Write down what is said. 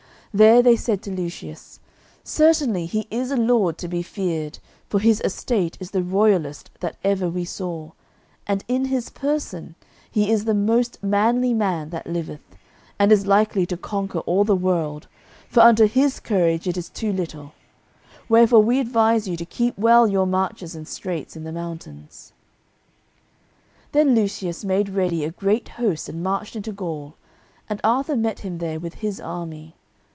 There they said to Lucius, "Certainly he is a lord to be feared, for his estate is the royalest that ever we saw, and in his person he is the most manly man that liveth, and is likely to conquer all the world, for unto his courage it is too little; wherefore we advise you to keep well your marches and straits in the mountains." Then Lucius made ready a great host and marched into Gaul, and Arthur met him there with his army.